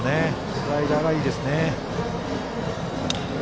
スライダーがいいですね。